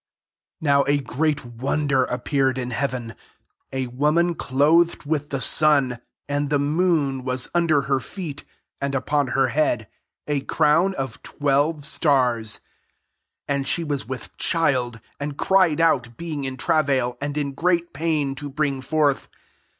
1 NOW a great wonder appeared in heaven ; a woman clothed with the sun, and the moon mas under her feet, and upon her head a crown of twelve stars: £ and she was with child) and cried out, being in travail, and in great pain to bring forth.